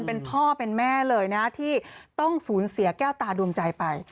เป็นพ่อเป็นแม่เลยนะที่ต้องสูญเสียแก้วตาดวงใจไป